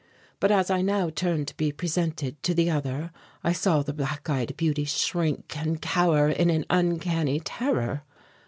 But as I now turned to be presented to the other, I saw the black eyed beauty shrink and cower in an uncanny terror.